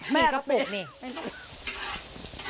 แม่กระปุก